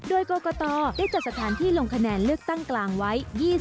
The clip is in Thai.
โดยกรกตได้จัดสถานที่ลงคะแนนเลือกตั้งกลางไว้